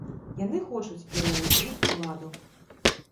Яны хочуць і рэалізуюць уладу.